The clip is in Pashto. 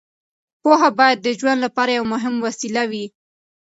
پوهه باید د ژوند لپاره یوه مهمه وسیله وي.